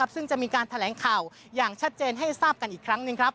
ซึ่งจะมีการแถลงข่าวอย่างชัดเจนให้ทราบกันอีกครั้งหนึ่ง